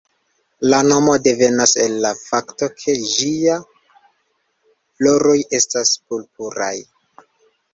La nomo devenas el la fakto ke ĝiaj floroj estas purpuraj.